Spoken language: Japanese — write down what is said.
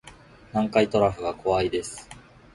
南海トラフが怖いです